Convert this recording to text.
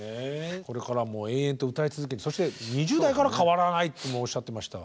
これからも永遠と歌い続けてそして２０代から変わらないっておっしゃっていました。